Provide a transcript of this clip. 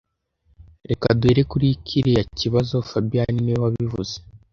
Reka duhere kuri kiriya kibazo fabien niwe wabivuze